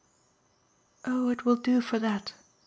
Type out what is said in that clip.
"Oh it will do for that!"